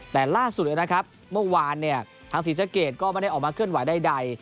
แต่ล่าสุดเลยนะครับเมื่อวานเนี่ยทางศรีสะเกดก็ไม่ได้ออกมาเคลื่อนไหวใด